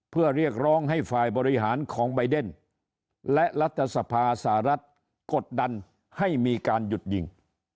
เพื่อเรียกร้องให้ฝ่ายบริหารของใบเดนและรัฐสภาสหรัฐกดดันให้มีการหยุดยิง